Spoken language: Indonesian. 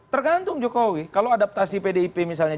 tergantung jokowi kalau adaptasi pdip misalnya